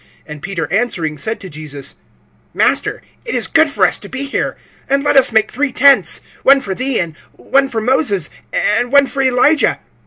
(5)And Peter answering said to Jesus: Master, it is good for us to be here; and let us make three tents, one for thee, and one for Moses, and one for Elijah.